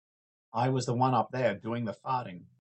I was the one up there doing the farting.